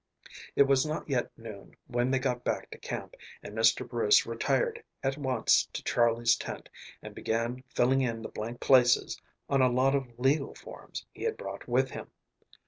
It was not yet noon when they got back to camp and Mr. Bruce retired at once to Charley's tent and began filling in the blank places on a lot of legal forms he had brought with him.